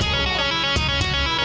lo sudah bisa berhenti